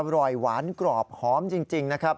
อร่อยหวานกรอบหอมจริงนะครับ